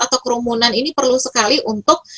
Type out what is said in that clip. atau kerumunan ini perlu sekali untuk